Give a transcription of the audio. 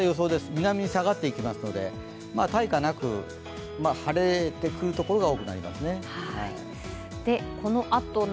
南に下がってきますので、晴れになる所が多くなりますね。